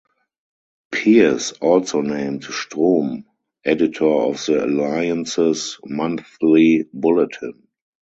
Pierce also named Strom editor of the Alliance's monthly "Bulletin".